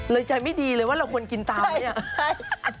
ใจไม่ดีเลยว่าเราควรกินตามไหมอ่ะใช่